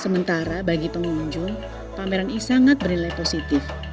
sementara bagi pengunjung pameran ini sangat bernilai positif